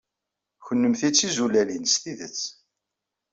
Kennemti d tizulalin s tidet.